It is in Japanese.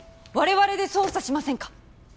我々で捜査しませんか？